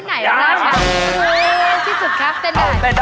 ยังไม่เต้น